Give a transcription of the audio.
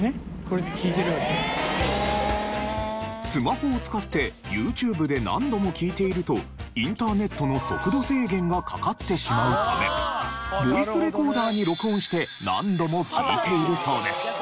スマホを使ってＹｏｕＴｕｂｅで何度も聴いているとインターネットの速度制限がかかってしまうためボイスレコーダーに録音して何度も聴いているそうです。